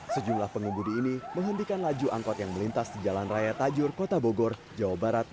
sejumlah pengemudi ini menghentikan laju angkot yang melintas di jalan raya tajur kota bogor jawa barat